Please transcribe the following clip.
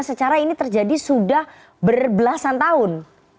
secara ini terjadi sudah berbelasan tahun